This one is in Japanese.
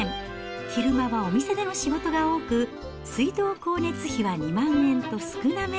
昼間はお店での仕事が多く、水道光熱費は２万円と少なめ。